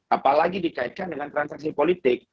apalagi dikaitkan dengan transaksi politik